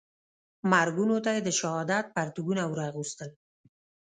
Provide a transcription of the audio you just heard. مرګونو ته یې د شهادت پرتګونه وراغوستل.